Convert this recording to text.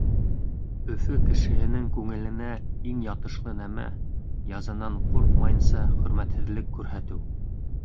Өфө кешеһенең күңеленә иң ятышлы нәмә — язанан ҡурҡмайынса хөрмәтһеҙлек күрһәтеү.